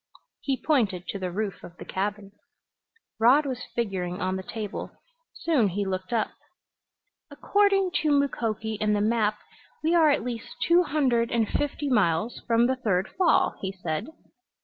He pointed to the roof of the cabin. Rod was figuring on the table. Soon he looked up. "According to Mukoki and the map we are at least two hundred and fifty miles from the third fall," he said.